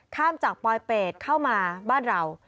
ข้ามจากปลอยเป็ดเข้ามาบ้านเรา